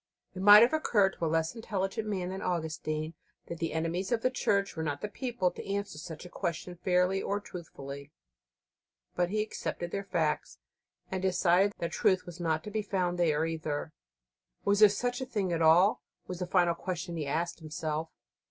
It might have occurred to a less intelligent man than Augustine that the enemies of the Church were not the people to answer such a question fairly or truthfully: but he accepted their facts, and decided that truth was not to be found there either. Was there such a thing at all? was the final question he asked himself.